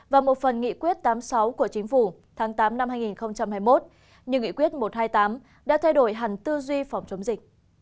và một phần nghị quyết tám mươi sáu của chính phủ tháng tám năm hai nghìn hai mươi một như nghị quyết một trăm hai mươi tám đã thay đổi hẳn tư duy phòng chống dịch